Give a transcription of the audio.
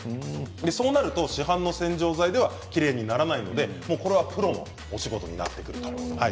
そうなると市販の洗剤ではきれいにならないのでこれはプロのお仕事になってくるということです。